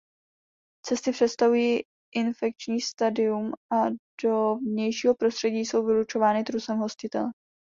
Cysty představují infekční stadium a do vnějšího prostředí jsou vylučování trusem hostitele.